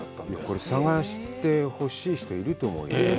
これ、探して、欲しい人、いると思うよ。